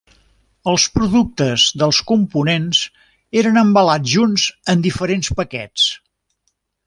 Els productes dels components eren embalats junts en diferents paquets.